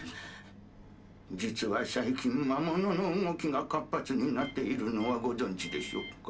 実は最近魔物の動きが活発になっているのはご存じでしょうか？